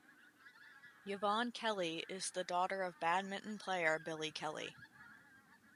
Yvonne Kelly is the daughter of badminton player Billy Kelly.